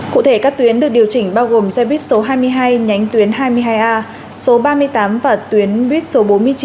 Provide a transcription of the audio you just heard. cụ thể các tuyến được điều chỉnh bao gồm xe buýt số hai mươi hai nhánh tuyến hai mươi hai a số ba mươi tám và tuyến buýt số bốn mươi chín